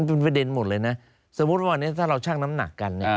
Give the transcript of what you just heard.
เป็นประเด็นหมดเลยนะสมมุติว่าวันนี้ถ้าเราชั่งน้ำหนักกันเนี่ย